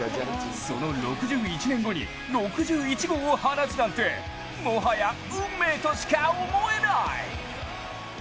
その６１年後に６１号を放つなんてもはや運命としか思えない！